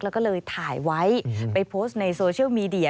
แล้วก็เลยถ่ายไว้ไปโพสต์ในโซเชียลมีเดีย